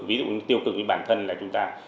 ví dụ tiêu cực với bản thân là chúng ta